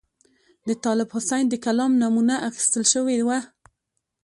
د طالب حسین د کلام نمونه اخیستل شوې وه.